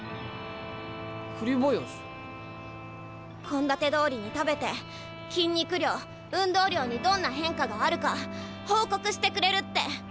献立どおりに食べて筋肉量運動量にどんな変化があるか報告してくれるって。